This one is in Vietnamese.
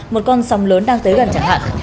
một con sông lớn đang tới gần chẳng hạn